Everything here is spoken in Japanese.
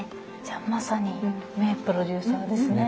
じゃあまさに名プロデューサーですね。